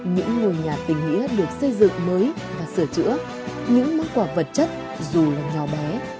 những ngôi nhà tình nghĩa được xây dựng mới và sửa chữa những món quà vật chất dù là nhỏ bé